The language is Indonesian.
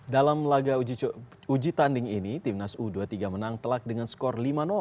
dalam laga uji tanding ini timnas u dua puluh tiga menang telak dengan skor lima